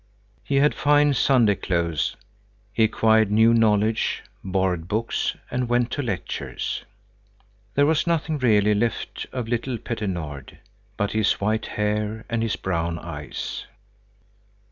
He had fine Sunday clothes; he acquired new knowledge, borrowed books and went to lectures. There was nothing really left of little Petter Nord but his white hair and his brown eyes.